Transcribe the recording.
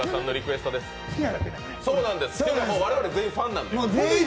我々全員ファンなので。